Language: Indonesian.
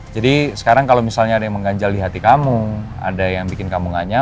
jadi sekarang kalau misalnya ada yang mengganjal di hati kamu ada yang bikin kamu ngajak